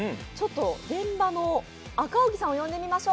現場の赤荻さんを呼んでみましょう。